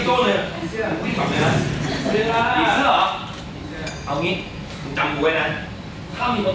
ชอบตัดอะไรน่ะ